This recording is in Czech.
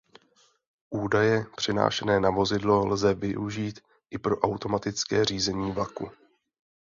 Údaje přenášené na vozidlo lze využít i pro automatické řízení vlaku.